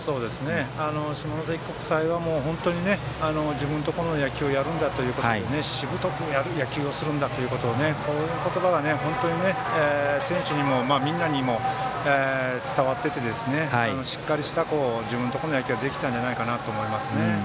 下関国際は本当に自分のところの野球をやるんだということしぶとくやる野球をするんだという言葉が本当に選手にもみんなにも伝わっていて、しっかりした自分のところの野球ができたんじゃないかなと思いますね。